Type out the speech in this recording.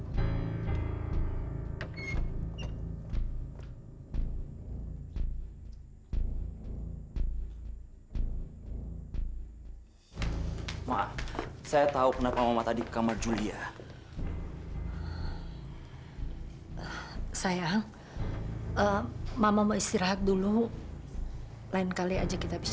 cepetan teman polisi cepetan